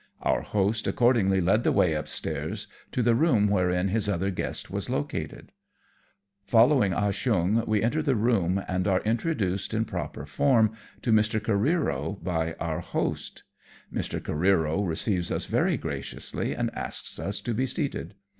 Our host accordingly led the way upstairs to the room wherein his other guest was located. Following Ah Cheong we enter the room, and are introduced in proper form to Mr. Careero by our host. Mr. Careero receives us very graciously and asks us to be seated.